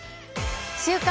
「週刊！